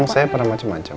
emang saya pernah macem macem